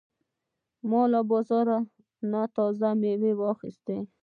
ما له بازار نه تازه مېوې واخیستې.